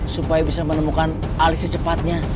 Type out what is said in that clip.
supaya bisa menemukan alih secepatnya